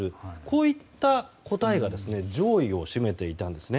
こういった答えが上位を占めていたんです。